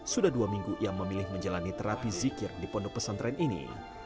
sudah dua minggu ia memilih menjalani terapi zikir di pondok pesantren ini